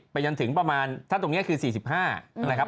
จนถึงประมาณถ้าตรงนี้คือ๔๕นะครับ